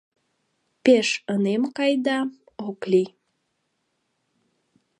Пеш ынем кай да, ок лий.